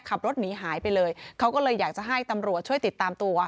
ขับรถหนีหายไปเลยเขาก็เลยอยากจะให้ตำรวจช่วยติดตามตัว